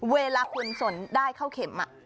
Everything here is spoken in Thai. เวลาคุณสนได้เข้าเข็ม